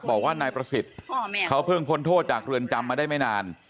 บอกว่านายประสิทธิ์เขาเพิ่งพ้นโทษจากเรือนจำมาได้ไม่นาน